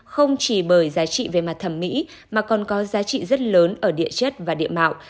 không chỉ bởi giá trị về mặt thẩm mỹ mà còn có giá trị rất lớn ở địa chất và địa mạo